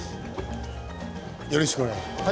よろしくお願いします。